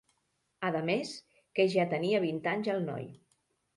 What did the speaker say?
Ademés, que ja tenia vint anys el noi